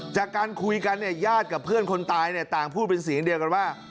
จากการคุยกันเนี่ยญาติกับเพื่อนคนตายเนี่ยต่างพูดเป็นเสียงเดียวกันว่า